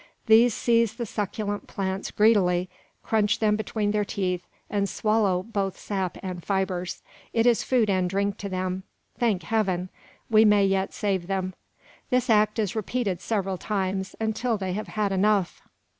These seize the succulent plants greedily, crunch them between their teeth, and swallow both sap and fibres. It is food and drink to them. Thank Heaven! we may yet save them! This act is repeated several times, until they have had enough.